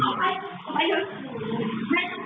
อ้าวเดี๋ยวเดี๋ยวเดี๋ยว